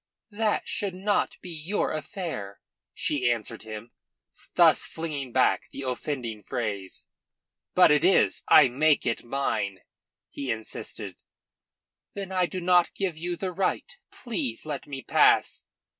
"That should not be your affair," she answered him, thus flinging back the offending phrase. "But it is. I make it mine," he insisted. "Then I do not give you the right. Please let me pass."